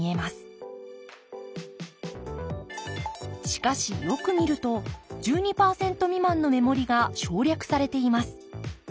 しかしよく見ると１２％未満の目盛りが省略されています。